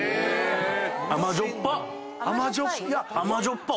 甘じょっぱ！